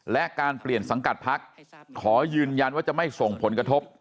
และการเปลี่ยนสังกัดพักขอยืนยันว่าจะไม่ส่งผลกระทบ